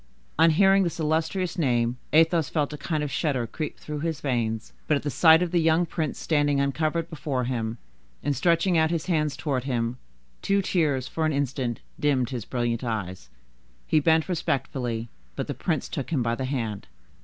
On hearing this illustrious name, Athos felt a kind of shudder creep through his veins, but at the sight of the young prince standing uncovered before him, and stretching out his hand towards him, two tears, for an instant, dimmed his brilliant eyes. He bent respectfully, but the prince took him by the hand.